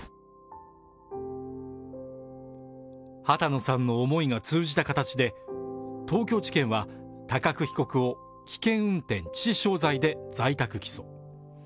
波多野さんの思いが通じた形で東京地検は高久被告を危険運転致死罪で在宅起訴。